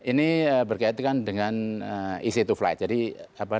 ini berkaitan dengan safety atau bahan bakar pak